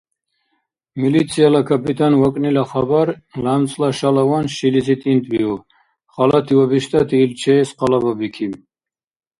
Милицияла капитан вакӏнила хабар лямцӏла шалаван шилизи тӏинтӏбиуб. Халати ва биштӏати ил чеэс къалабабикиб.